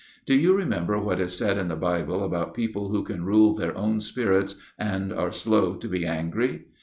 Do you remember what is said in the Bible about people who can rule their own spirits, and are slow to be angry?